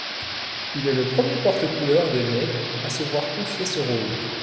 Il est le premier porte-couleur des Mets à se voir confier ce rôle.